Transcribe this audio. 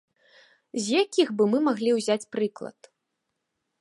З якіх бы мы маглі ўзяць прыклад?